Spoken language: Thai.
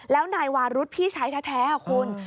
แล้วนายวารุธพี่ชายแท้คุณ